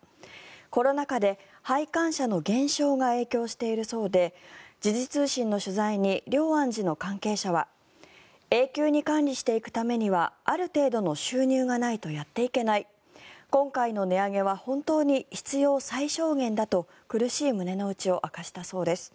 コロナ禍で拝観者の減少が影響しているそうで時事通信の取材に龍安寺の関係者は永久に管理していくためにはある程度の収入がないとやっていけない今回の値上げは本当に必要最小限だと苦しい胸の内を明かしたそうです。